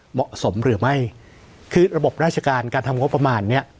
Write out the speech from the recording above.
เหมาะสมหรือไม่คือระบบราชการการทำงบประมาณเนี้ย